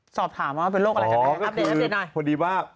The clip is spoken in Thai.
สอบถามว่าเป็นโรคอะไรกัน